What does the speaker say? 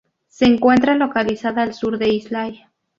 Se encuentra localizada al sur de Islay.